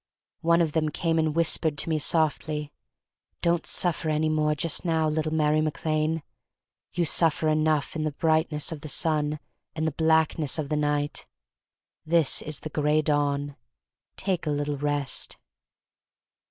One of them came and whispered to me softly: "Don't suffer any more just now, little Mary Mac Lane. You suffer enough in the brightness of the sun and the blackness of the night. This is the Gray Dawn. Take a little rest."